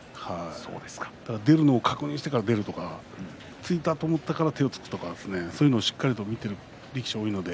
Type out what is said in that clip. だから、出るのを確認してから出るとかついたと思ったから手をついたとかそういうのをしっかり見ている力士が多いので。